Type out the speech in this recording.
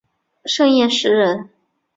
盛彦师人。